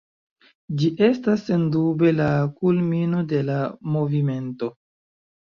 Ĝi estas sendube la kulmino de la movimento.